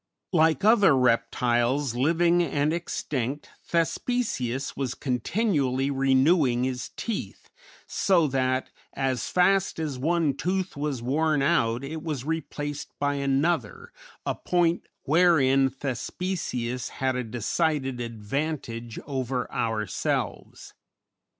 Like other reptiles, living and extinct, Thespesius was continually renewing his teeth, so that as fast as one tooth was worn out it was replaced by another, a point wherein Thespesius had a decided advantage over ourselves.